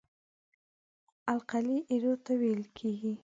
القلي ایرو ته ویل کیږي.